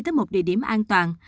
tới một địa điểm an toàn